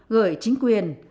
gửi chính quyền